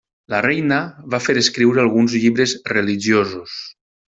La reina va fer escriure alguns llibres religiosos.